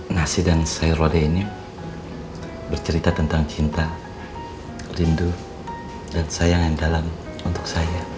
nasi dan sayur rode ini bercerita tentang cinta rindu dan sayang yang dalam untuk saya